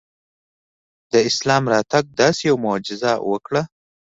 د اسلام راتګ داسې یوه معجزه وکړه.